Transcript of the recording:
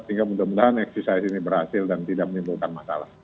sehingga mudah mudahan eksisai ini berhasil dan tidak menimbulkan masalah